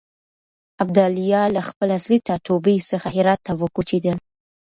ابداليان له خپل اصلي ټاټوبي څخه هرات ته وکوچېدل.